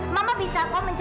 mama bisa kok mencari